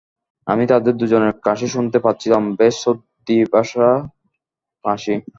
আমি তাদের দুজনের কাশি শুনতে পাচ্ছিলাম, বেশ সর্দি বসা কাশি।